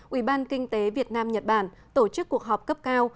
ủy ban kinh tế việt nam nhật bản tổ chức cuộc họp cấp cao